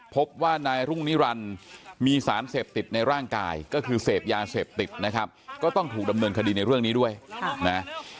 พบว่านายรุ่งนิรันดิ์มีสารเสพติดในร่างกายก็คือเสพยาเสพติดนะครับก็ต้องถูกดำเนินคดีในเรื่องนี้ด้วยนะ